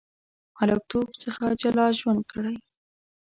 هلکتوب څخه جلا ژوند کړی.